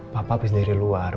papa sendiri luar